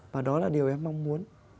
và đó là điều em mong muốn